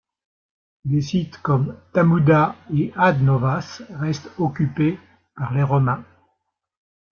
Des sites comme Tamuda et Ad Novas restent occupés par les Romains.